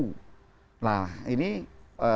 nah ini sekarang kan pemerintah